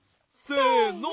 せの。